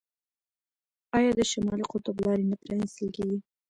آیا د شمالي قطب لارې نه پرانیستل کیږي؟